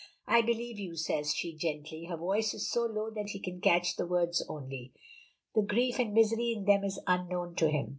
"I believe you," says she, gently. Her voice is so low that he can catch the words only; the grief and misery in them is unknown to him.